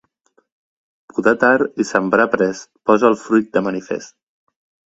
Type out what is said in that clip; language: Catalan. Podar tard i sembrar prest posa el fruit de manifest.